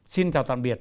xin chào tạm biệt